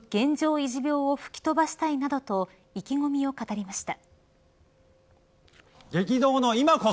維持病を吹き飛ばしたいなどと意気込みを語りました。